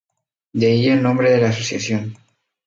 De ahí el nombre de la asociación.